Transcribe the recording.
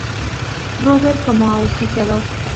Rubber como auspiciador.